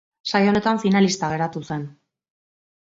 Saio honetan finalista geratu zen.